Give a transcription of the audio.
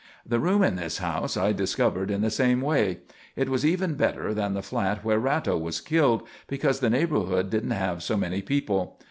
_ "_The room in this house I discovered in the same way. It was even better than the flat where Ratto was killed because the neighbourhood didn't have so many people.